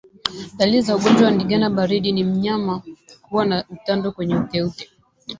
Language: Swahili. Dalili za ugonjwa wa ndigana baridi ni mnyama kuwa na utando wenye uteute